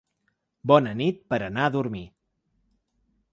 Bona nit per anar a dormir